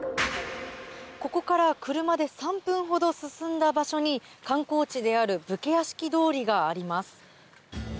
ここから車で３分ほど進んだ場所に観光地である武家屋敷通りがあります。